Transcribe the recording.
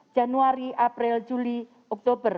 januari april juli oktober